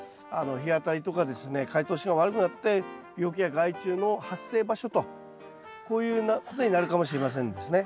風通しが悪くなって病気や害虫の発生場所とこういうことになるかもしれませんですね。